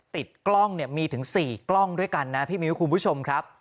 ติดกล้องเนี่ยมีถึง๔กล้องด้วยกันนะพี่มิ้วคุณผู้ชมครับ